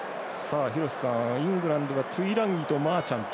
イングランドがトゥイランギとマーチャント。